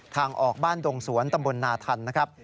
ทางออกบ้านดงสวนตำบลนาทันนะครับ